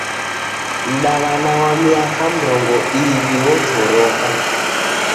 Mdaw'ana wa miaka mrongo iw'i otoroka.